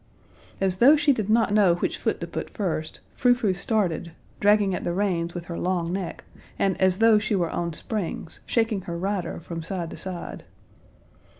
As though she did not know which foot to put first, Frou Frou started, dragging at the reins with her long neck, and as though she were on springs, shaking her rider from side to side.